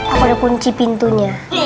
aku udah kunci pintunya